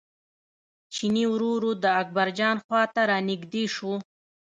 چیني ورو ورو د اکبرجان خواته را نژدې شو.